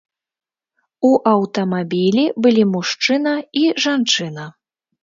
У аўтамабілі былі мужчына і жанчына.